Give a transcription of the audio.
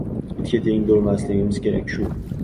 Itga teng bo‘lmasligimiz kerak! Shu!